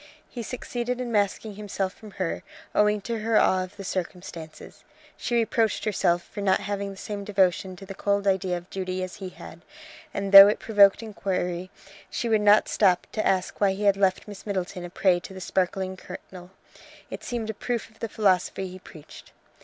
He succeeded in masking himself from her, owing to her awe of the circumstances. She reproached herself for not having the same devotion to the cold idea of duty as he had; and though it provoked inquiry, she would not stop to ask why he had left Miss Middleton a prey to the sparkling colonel. It seemed a proof of the philosophy he preached.